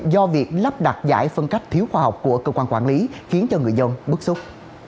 do việc lắp đặt giải phân cách thiếu khoa học của cơ quan quản lý khiến cho người dân bức xúc